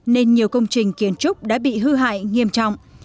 nên nhiều công trình kiến trúc đã bị hư hại nghiêm trọng